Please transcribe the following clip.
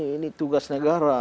ini tugas negara